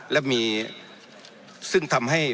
และมีซึ่งทำให้